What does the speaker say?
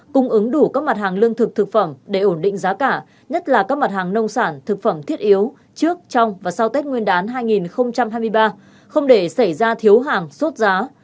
cung ứng đủ các mặt hàng lương thực thực phẩm để ổn định giá cả nhất là các mặt hàng nông sản thực phẩm thiết yếu trước trong và sau tết nguyên đán hai nghìn hai mươi ba không để xảy ra thiếu hàng sốt giá